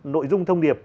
nội dung thông điệp